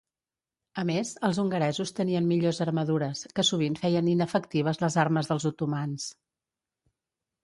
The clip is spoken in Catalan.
A més, els hongaresos tenien millors armadures, que sovint feien inefectives les armes dels otomans.